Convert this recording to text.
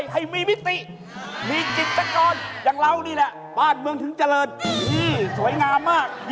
ใส่จมูกเข้าไปโอ้โฮชัดเฟ้ย